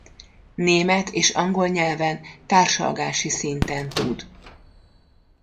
Német és angol nyelven társalgási szinten tud.